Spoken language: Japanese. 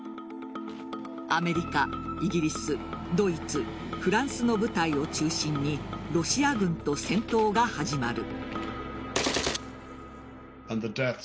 アメリカ、イギリスドイツ、フランスの部隊を中心にロシア軍と戦闘が始まる。